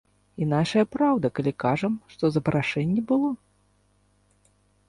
І нашая праўда, калі кажам, што запрашэнне было.